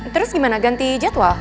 terus gimana ganti jadwal